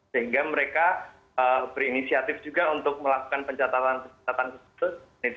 sehingga mereka berinisiatif juga untuk melakukan pencatatan pencatatan tersebut